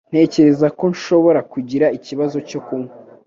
Ntekereza ko nshobora kugira ikibazo cyo kunywa.